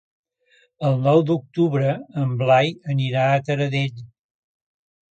El nou d'octubre en Blai anirà a Taradell.